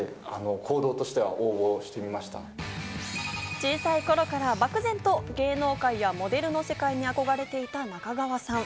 小さい頃から漠然と芸能界やモデルの世界に憧れていた中川さん。